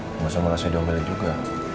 masa malah saya diomelin juga